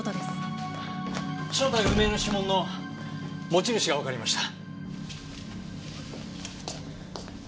正体不明の指紋の持ち主がわかりました。